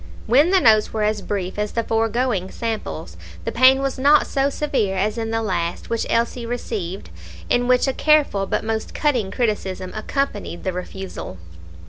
When the notes were as brief as the foregoing samples, the pain was not so severe as in the last which Elsie received, in which a careful but most cutting criticism accompanied the refusal.